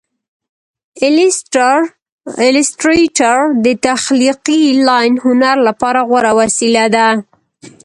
ایلیسټریټر د تخلیقي لاین هنر لپاره غوره وسیله ده.